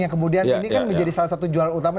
yang kemudian ini kan menjadi salah satu jualan utama